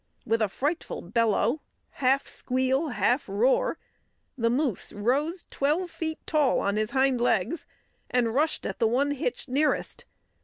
With a frightful bellow, half squeal, half roar, the moose rose twelve feet tall on his hind legs, and rushed at the one hitched nearest.